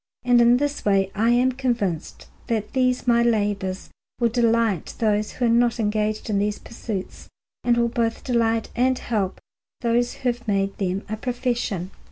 And in this way I am convinced that these my labours will delight those who are not engaged in these pursuits, and will both delight and help those who have made them a profession.